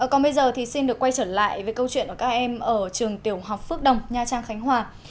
còn bây giờ thì xin được quay trở lại với câu chuyện của các em ở trường tiểu học phước đồng nha trang khánh hòa